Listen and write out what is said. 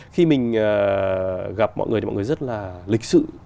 khi mình gặp mọi người thì mọi người rất là lịch sự